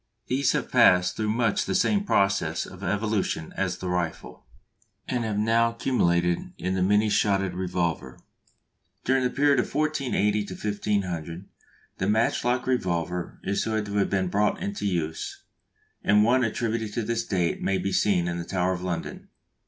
These have passed through much the same process of evolution as the rifle, and have now culminated in the many shotted revolver. During the period 1480 1500 the match lock revolver is said to have been brought into use; and one attributed to this date may be seen in the Tower of London.